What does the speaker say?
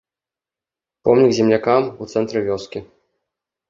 Помнік землякам у цэнтры вёскі.